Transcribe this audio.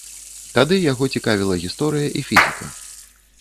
Тады яго цікавіла гісторыя і фізіка.